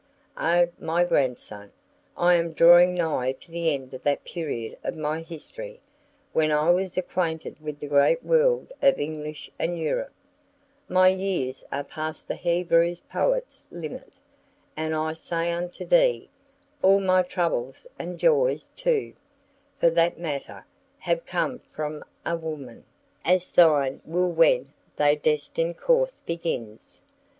Oh, my grandson! I am drawing nigh to the end of that period of my history, when I was acquainted with the great world of England and Europe; my years are past the Hebrew poet's limit, and I say unto thee, all my troubles and joys too, for that matter, have come from a woman; as thine will when thy destined course begins.